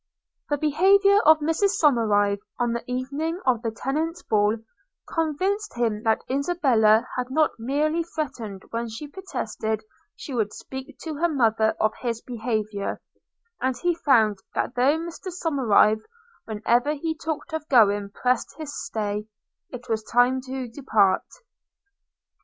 The behaviour of Mrs Somerive, on the evening of the tenants' ball, convinced him that Isabella had not merely threatened when she protested she would speak to her mother of his behaviour; and he found that though Mr Somerive, whenever he talked of going, pressed his stay, it was time to depart.